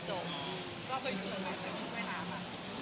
ทำอาคารกับตัวชุดเวลาคะ